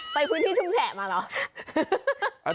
เพราะมันจะได้หอมเหลือมันออกเยอะ